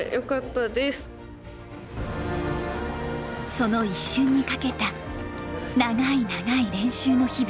その一瞬にかけた長い長い練習の日々。